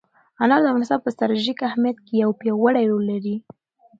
انار د افغانستان په ستراتیژیک اهمیت کې یو پیاوړی رول لري.